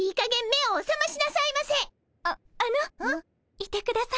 いてください。